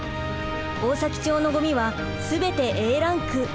大崎町のごみは全てＡランク。